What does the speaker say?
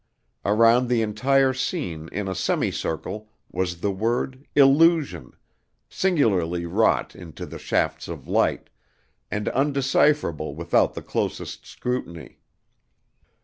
Around the entire scene, in a semicircle, was the word "Illusion," singularly wrought into the shafts of light, and undecipherable without the closest scrutiny.